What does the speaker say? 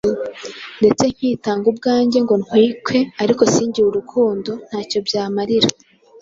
ndetse nkitanga ubwanjye ngo ntwikwe ariko singire urukundo, nta cyo byamarira